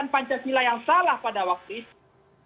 pancasila yang salah pada waktu itu